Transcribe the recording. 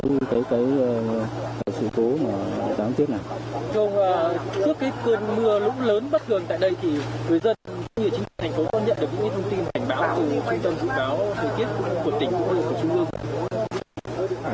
như chính thành phố có nhận được những cái thông tin đảnh báo từ trung tâm dự báo thời tiết của tỉnh cũng như là của trung tâm